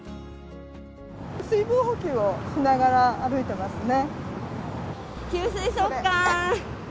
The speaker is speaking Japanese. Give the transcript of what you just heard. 水分補給をしながら歩いてますね。